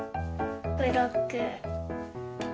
ブロック。